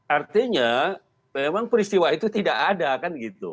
artinya memang peristiwa itu tidak ada kan gitu